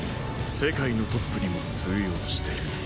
世界のトップにも通用してる。